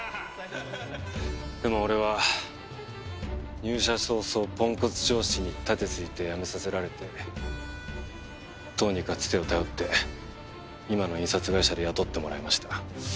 でも俺は入社早々ポンコツ上司に盾ついて辞めさせられてどうにかつてを頼って今の印刷会社で雇ってもらいました。